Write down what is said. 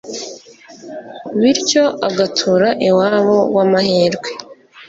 bityo, agatura iwabo w'amahirwe